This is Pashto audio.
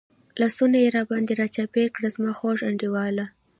لاسونه یې را باندې را چاپېر کړل، زما خوږ انډیواله.